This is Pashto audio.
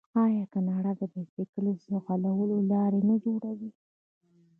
آیا کاناډا د بایسکل ځغلولو لارې نه جوړوي؟